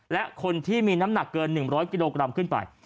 และคนที่มีน้ำหนักเกิน๑๐๐กิโลกรัมขึ้นไป